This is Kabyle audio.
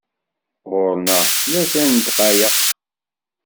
Ɣur-neɣ tlata n ddqayeq.